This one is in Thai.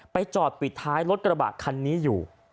จอดปิดท้ายรถกระบะคันนี้อยู่